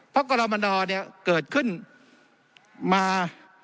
เพราะกรมนเนี่ยเกิดขึ้นมา